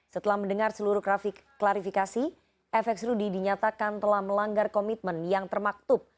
setelah mendengar seluruh grafik klarifikasi fx rudi dinyatakan telah melanggar komitmen yang termaktub